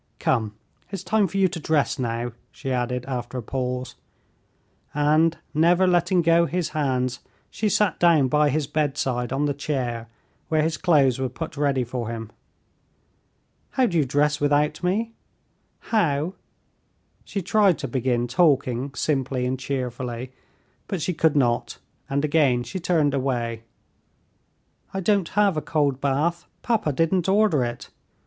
"Come, it's time for you to dress now," she added, after a pause, and, never letting go his hands, she sat down by his bedside on the chair, where his clothes were put ready for him. "How do you dress without me? How...." she tried to begin talking simply and cheerfully, but she could not, and again she turned away. "I don't have a cold bath, papa didn't order it.